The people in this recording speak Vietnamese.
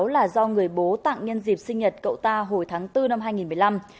là do người bố tặng nhân dịp sinh nhật cậu ta hồi tháng bốn năm hai nghìn một mươi năm